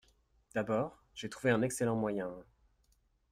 D’abord, j’ai trouvé un excellent moyen…